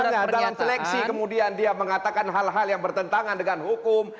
misalnya dalam seleksi kemudian dia mengatakan hal hal yang bertentangan dengan hukum